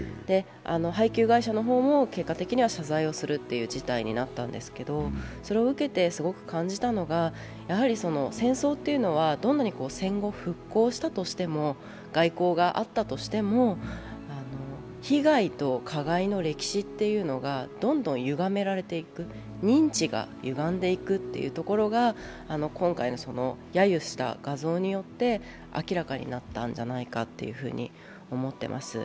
配給会社の方も結果的には謝罪をするという事態になったんですけどそれを受けてすごく感じたのは戦争というものは戦後復興したとしても外交があったとしても、被害と加害の歴史がどんどんゆがめられていく、認知がゆがんでいくというところが今回のやゆした画像によって明らかになったんじゃないかと思っています。